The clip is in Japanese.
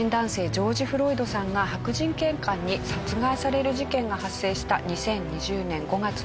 ジョージ・フロイドさんが白人警官に殺害される事件が発生した２０２０年５月のアメリカ。